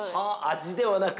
◆味ではなく。